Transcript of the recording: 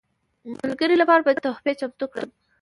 ملګرو لپاره به تحفې چمتو کړم.